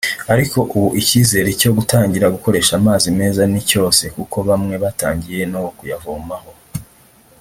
ariko ubu icyizere cyo gutangira gukoresha amazi meza ni cyose kuko bamwe batangiye no kuyavomaho